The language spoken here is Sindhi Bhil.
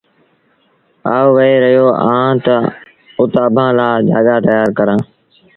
آئوٚنٚ وهي رهيو اهآنٚ تا اُت اڀآنٚ لآ جآڳآ تيآر ڪرآݩٚ۔